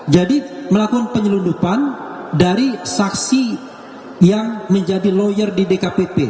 jadi melakukan penyelundupan dari saksi yang menjadi lawyer di dkpp